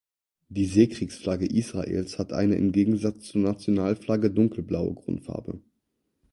Die Seekriegsflagge Israels hat eine im Gegensatz zur Nationalflagge dunkelblaue Grundfarbe.